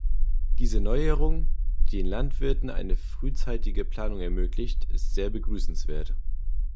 Diese Neuerung, die den Landwirten eine frühzeitige Planung ermöglicht, ist sehr begrüßenswert.